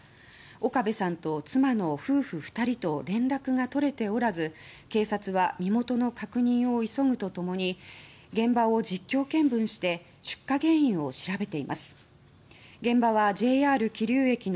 岡部さんと妻の夫婦２人と連絡が取れておらず警察は身元の確認を急ぐとともに現場を実況見分して今年もなんと大谷翔平に愛を叫ぶ女性が！